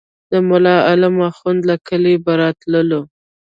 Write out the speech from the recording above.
د ملا عالم اخند له کلي به راتللو.